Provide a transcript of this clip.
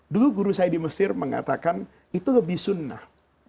dulu guru saya di mesir mengatakan itu lebih sunnah